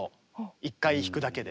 １回弾くだけで。